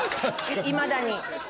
いまだに。